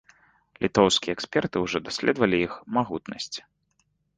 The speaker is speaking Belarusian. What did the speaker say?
Літоўскія эксперты ўжо даследавалі іх магутнасці.